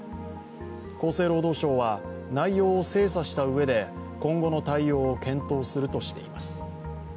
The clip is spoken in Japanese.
厚生労働省は内容を精査したうえで今後の対応を検討するとしています。